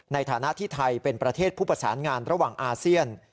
ในฐานะที่ไทยเป็นประเทศผู้ประสานงานระหว่างอาเซียน